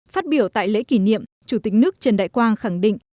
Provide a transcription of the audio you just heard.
phát biểu tại lễ kỷ niệm chủ tịch nước trần đại quang khẳng định